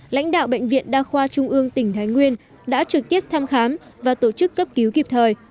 lãnh đạo bệnh viện đa khoa trung ương tỉnh thái nguyên đã trực tiếp thăm khám và tổ chức cấp cứu kịp thời